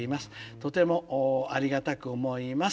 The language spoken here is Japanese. とてもありがたく思います」。